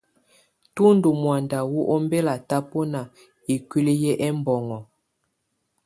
Tù ndù mɔ̀ánda wù ɔmbɛla tabɔna ikuili yɛ ɛmbɔŋɔ.